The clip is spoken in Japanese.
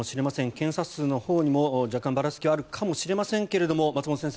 検査数のほうにも若干、ばらつきはあるかもしれませんけれども松本先生